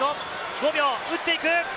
５秒、打っていく！